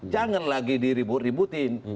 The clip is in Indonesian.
jangan lagi diribut ributin